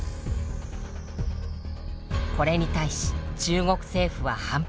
これに対し中国政府は反発。